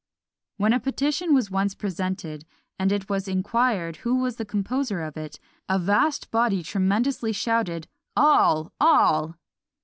When a petition was once presented, and it was inquired who was the composer of it, a vast body tremendously shouted "All! all!"